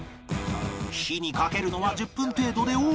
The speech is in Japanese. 火にかけるのは１０分程度でオーケー